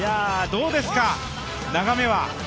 どうですか、眺めは。